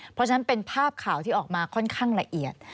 เพราะฉะนั้นเป็นภาพข่าวที่ออกมาค่อนข้างละเอียด